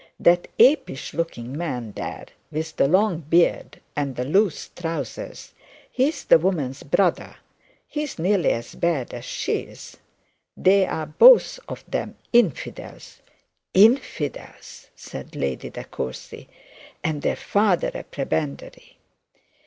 That apish looking man there, with the long beard and the loose trousers, he is the woman's brother. He is nearly as bad as she is. They are both of them infidels.' 'Infidels!' said Lady De Courcy, 'and their father a prebendary!'